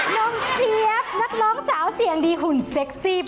น้องเทียบนักร้องเจ้าเสียงดีหุ่นเซ็กซี่